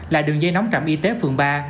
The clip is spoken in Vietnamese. là đường dây nóng trạm y tế phường ba